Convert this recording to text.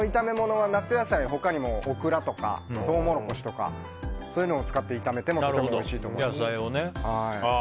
この炒め物は夏野菜、他にもオクラとかトウモロコシとかそういうのを使って炒めてもとてもおいしいと思います。